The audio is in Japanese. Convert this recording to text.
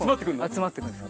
集まってくるんです。